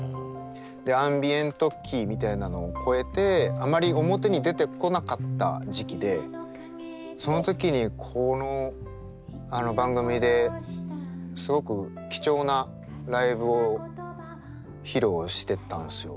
でアンビエント期みたいなのを越えてあまり表に出てこなかった時期でその時にこの番組ですごく貴重なライブを披露してたんですよ。